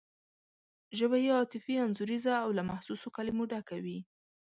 ژبه یې عاطفي انځوریزه او له محسوسو کلمو ډکه وي.